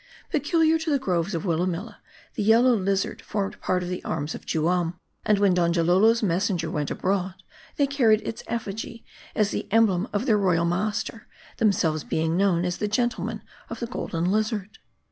Peculiar to the groves of Willamilla, the yellow lizard formed part of the arms of Juam. And when Donjalolo's messengers went abroad, they carried its effigy, as the em blem of their royal master ; themselves being known, as the Gentlemen of the Orolden Lizard.